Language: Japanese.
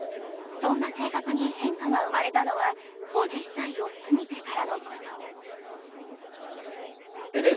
そんな性格に変化が生まれたのは５０歳を過ぎてからのこと。